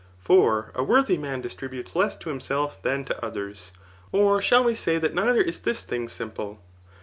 For a worthy man distributes less to himself than to others. Or shall we say that neither is this thing simple